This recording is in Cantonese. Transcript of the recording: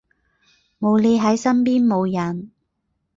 冇你喺身邊冇癮